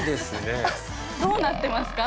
どうなってますか？